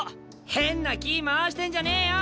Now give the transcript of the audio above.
変な気ぃ回してんじゃねえよ。